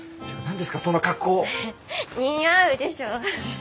似合うでしょ？